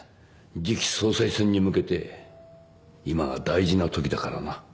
次期総裁選に向けて今が大事なときだからな。